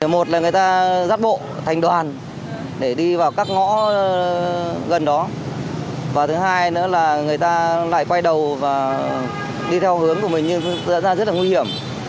một là người ta rắt bộ thành đoàn để đi vào các ngõ gần đó và thứ hai nữa là người ta lại quay đầu và đi theo hướng của mình nhưng dẫn ra rất là nguy hiểm